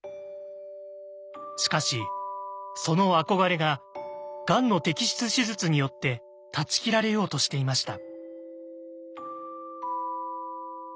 しかしその憧れががんの摘出手術によって断ち切られようとしていました。